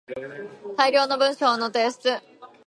大量の文章の提出